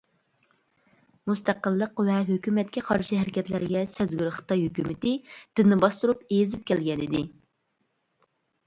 مۇستەقىللىق ۋە ھۆكۈمەتكە قارشى ھەرىكەتلەرگە سەزگۈر خىتاي ھۆكۈمىتى دىننى باستۇرۇپ ئېزىپ كەلگەنىدى.